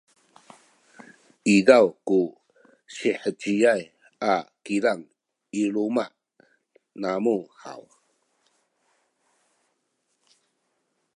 izaw ku siheciay a kilang i luma’ namu haw?